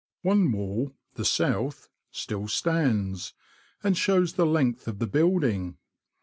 One wall (the south) still stands, and shows the length of the building.